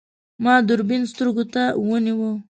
ما دوربین سترګو ته ونیو.